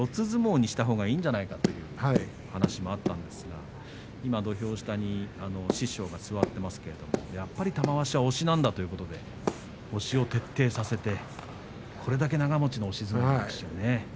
相撲にしたほうがいいんじゃないかという話もあったんですが今、土俵下に師匠が座っていますけどやっぱり玉鷲は押しなんだということで押しを徹底させてこれだけ長もちの押し相撲力士ですね。